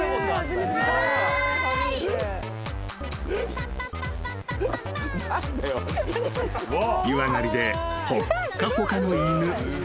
「はーい」［湯上がりでほっかほかの犬］